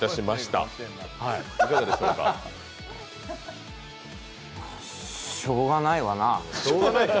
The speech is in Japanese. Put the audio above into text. ま、しょうがないわな。